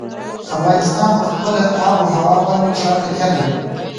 افغانستان په خپله آب وهوا باندې پوره تکیه لري.